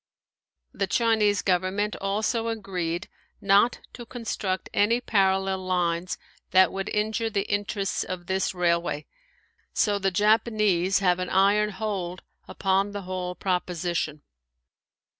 The Chinese Government also agreed not to construct any parallel lines that would injure the interests of this railway, so the Japanese have an iron hold upon the whole proposition.